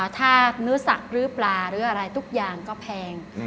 ถ้าเนื้อสักหรือปลาหรืออะไรทุกอย่างก็แพง